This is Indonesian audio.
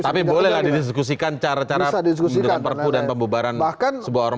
tapi bolehlah didiskusikan cara cara pembubaran sebuah ormas